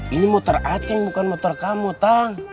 ini motor aceh bukan motor kamu tang